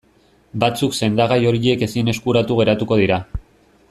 Batzuk sendagai horiek ezin eskuratu geratuko dira.